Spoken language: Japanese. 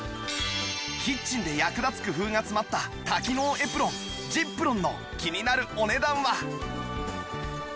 キッチンで役立つ工夫が詰まった多機能エプロン ｚｉｐｒｏｎ の気になるお値段は